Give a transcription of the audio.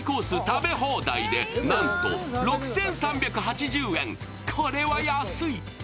食べ放題でなんと６３８０円、これは安い！